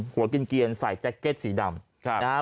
หัวกินเกียรติใส่แจ็คเก็ตสีดำ